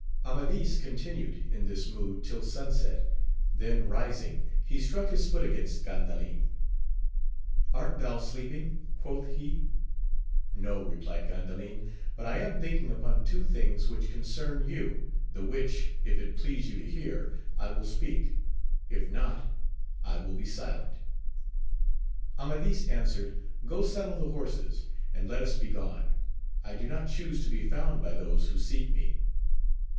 Amadis continued in this mood tOl snn set, then rising, he struck his foot against Gandalin : Art thou sleeping % quoth he. No, replied (Sandalin, but I am thinking upon two things which concern you, the which, if it please you to hear, I will speak: if not, I will be silent. Amadis answered. Go saddle the horses, and let us begone : I do not chuse to be found by those who seek me.